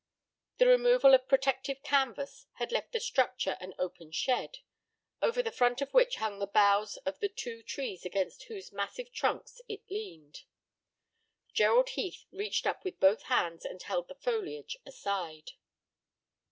The removal of protective canvas had left the structure an open shed, over the front of which hung the boughs of the two trees against whose massive trunks it leaned. Gerald Heath reached up with both hands and held the foliage aside.